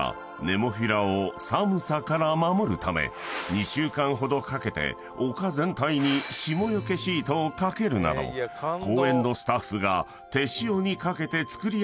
［２週間ほどかけて丘全体に霜除けシートを掛けるなど公園のスタッフが手塩にかけてつくり上げているこの絶景］